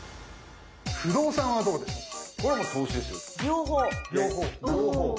不動産はどうでしょうか？